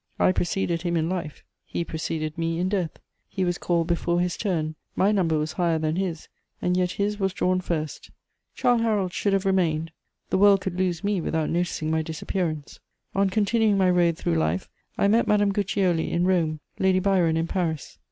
I preceded him in life; he preceded me in death; he was called before his turn: my number was higher than his, and yet his was drawn first. Childe Harold should have remained; the world could lose me without noticing my disappearance. On continuing my road through life, I met Madame Guiccioli in Rome, Lady Byron in Paris.